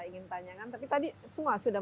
ingin tanyakan tapi tadi semua sudah